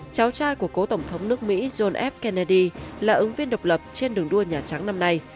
cháu trai của cố tổng thống nước mỹ johnev kennedy là ứng viên độc lập trên đường đua nhà trắng năm nay